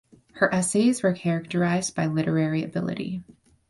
Her essays were characterized by literary ability.